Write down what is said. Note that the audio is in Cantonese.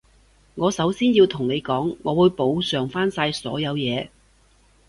我首先要同你講，我會補償返晒所有嘢